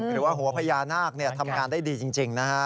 หรือว่าหัวพญานาคทำงานได้ดีจริงนะฮะ